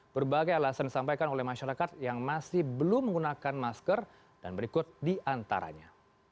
berbagai alasan disampaikan oleh masyarakat yang masih belum menggunakan masker dan berikut diantaranya